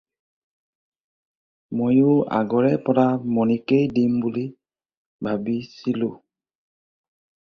ময়ো আগৰে পৰা মণিকেই দিম বুলি ভাবিছিলোঁ।